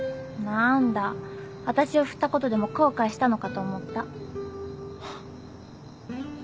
何だわたしを振ったことでも後悔したのかと思った。